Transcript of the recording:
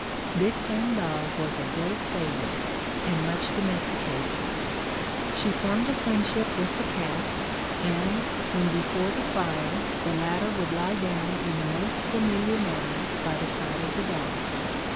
This same dog was a great favourite, and much domesticated. She formed a friendship with the cat, and when before the fire the latter would lie down in the most familiar manner by the side of the dog.